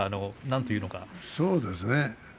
そうですね。